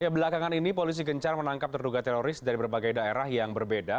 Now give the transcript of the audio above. belakangan ini polisi gencar menangkap terduga teroris dari berbagai daerah yang berbeda